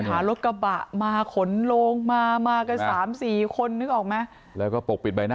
ไม่จะบอก